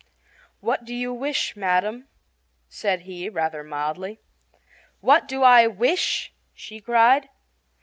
"What do you wish, madam?" said he, rather mildly. "What do I wish?" she cried.